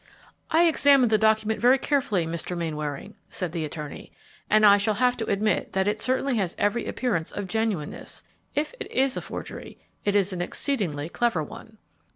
"I examined the document very carefully, Mr. Mainwaring," said the attorney, "and I shall have to admit that it certainly had every appearance of genuineness; if it is a forgery, it is an exceedingly clever one."